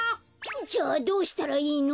じゃあどうしたらいいの？